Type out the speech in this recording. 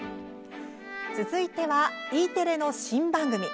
続いては、Ｅテレの新番組。